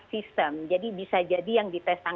kami sudah melakukan pengumuman di rumah